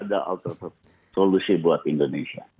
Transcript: ada solusi buat indonesia